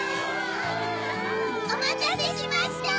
おまたせしました！